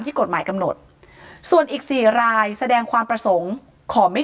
กฎหมายกำหนดส่วนอีก๔รายแสดงความประสงค์ขอไม่